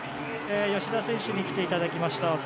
吉田選手に来ていただきました。